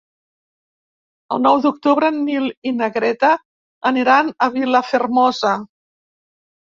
El nou d'octubre en Nil i na Greta aniran a Vilafermosa.